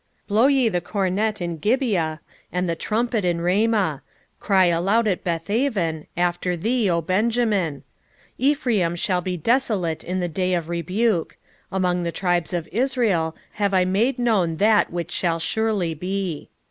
5:8 Blow ye the cornet in Gibeah, and the trumpet in Ramah: cry aloud at Bethaven, after thee, O Benjamin. 5:9 Ephraim shall be desolate in the day of rebuke: among the tribes of Israel have I made known that which shall surely be.